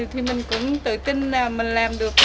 thì mình cũng tự tin là mình làm được